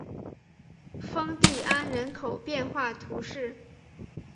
丰蒂安人口变化图示